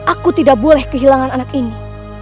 aku tidak boleh kehilangan anak ini